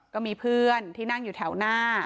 ก็มีเพื่อนที่นั่งอยู่แถวหน้า